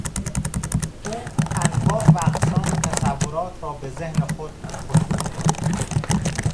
او انواع و اقسام تصورات را به ذهن خود خطور داد.